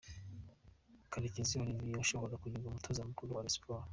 Karekezi Olivier ashobora kugirwa umutoza mukuru wa Rayon Sports .